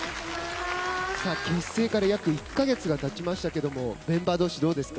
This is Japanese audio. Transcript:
結成から約１カ月がたちましたけどもメンバー同士、どうですか？